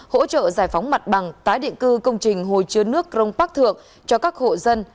hỗ trợ giải phóng mặt bằng tái định cư công trình hồi chứa nước rông bắc thượng cho các hộ dân